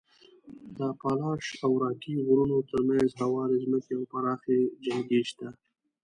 د اپالاش او راکي غرونو تر منځ هوارې ځمکې او پراخې جلګې شته.